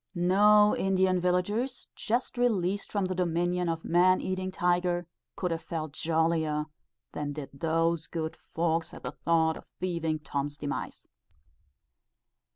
No Indian villagers, just released from the dominion of a man eating tiger, could have felt jollier than did those good folks at the thoughts of thieving Tom's demise.